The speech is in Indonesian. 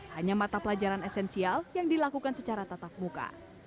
hanya mata pelajaran esensial yang dilakukan secara tatap muka